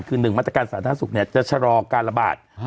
คือ๑มาตรการสาธารณสุขจะชะลอการระบาด